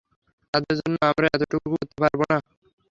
তাদের জন্য আমরা এতটুকুও করতে পারবো না?